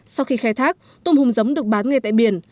sau khi khai thác tôm hùm giống được bán ngay tại biển